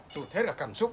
tụi thế là cảm xúc